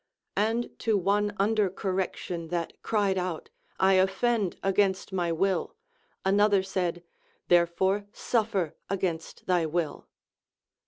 And to one under correction that cried out, I offend against my will, another said, Therefore suffer against thy will.